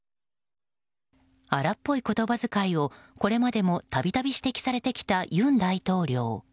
荒っぽい言葉遣いをこれまでも度々、指摘されてきた尹大統領。